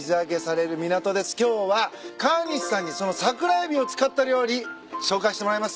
今日は河西さんにそのサクラエビを使った料理紹介してもらいます。